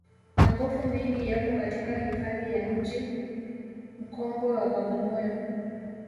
magofu mengi yapo katika hifadhi ya mji mkongwe wa bagamoyo